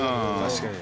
確かに。